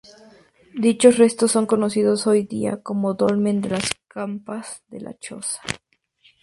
Dichos restos son conocidos hoy día como Dolmen de las Campas de la Choza.